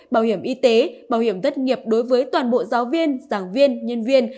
bảo hiểm y tế bảo hiểm thất nghiệp đối với toàn bộ giáo viên giảng viên nhân viên